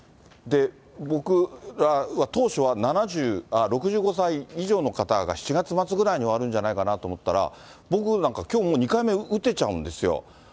僕は当初は６５歳以上の方が７月末ぐらいに終わるんじゃないかなと思ったら、僕なんかきょう２回目打てちゃうんですよ。